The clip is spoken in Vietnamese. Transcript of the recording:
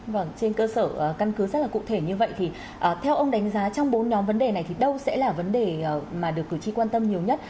vâng trên cơ sở căn cứ rất là cụ thể như vậy thì theo ông đánh giá trong bốn nhóm vấn đề này thì đâu sẽ là vấn đề mà được cử tri quan tâm nhiều nhất